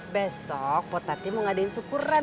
besok potati mau ngadain syukuran